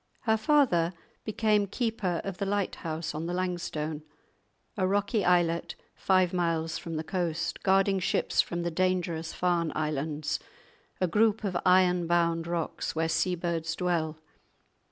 Her father became keeper of the lighthouse on the Langstone, a rocky islet five miles from the coast, guarding ships from the dangerous Farne Islands, a group of iron bound rocks where seabirds dwell.